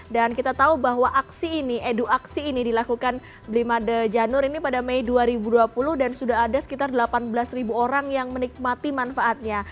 dan kita tahu bahwa aksi ini edu aksi ini dilakukan blimade janur ini pada mei dua ribu dua puluh dan sudah ada sekitar delapan belas ribu orang yang menikmati manfaatnya